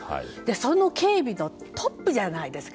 その警備のトップじゃないですか。